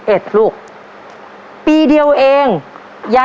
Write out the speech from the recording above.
ขอบคุณครับขอบคุณครับ